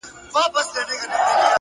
• نړوم غرونه د تمي، له اوږو د ملایکو،